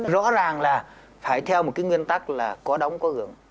rõ ràng là phải theo một cái nguyên tắc là có đóng có gương